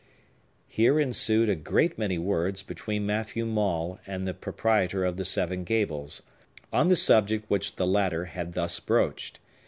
Here ensued a great many words between Matthew Maule and the proprietor of the Seven Gables, on the subject which the latter had thus broached.